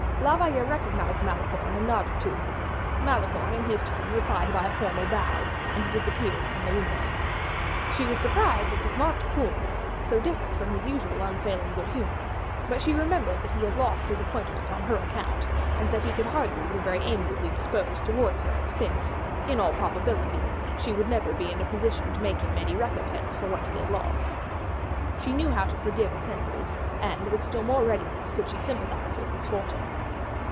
La Valliere recognized Malicorne and nodded to him; Malicorne, in his turn, replied by a formal bow, and disappeared from the window. She was surprised at this marked coolness, so different from his usual unfailing good humor, but she remembered that he had lost his appointment on her account, and that he could hardly be very amiably disposed towards her, since, in all probability, she would never be in a position to make him any recompense for what he had lost. She knew how to forgive offenses, and with still more readiness could she sympathize with misfortune.